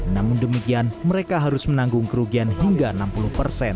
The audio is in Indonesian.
namun demikian mereka harus menanggung kerugian hingga enam puluh persen